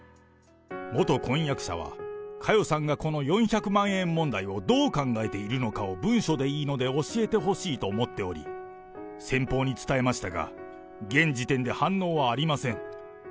元婚約者は、佳代さんがこの４００万円問題をどう考えているのかを、文書でいいので教えてほしいと思っており、先方に伝えましたが、現時点で反応はありません。